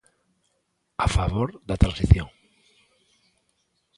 ¡A favor da transición!